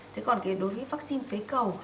thế còn đối với vaccine phế cầu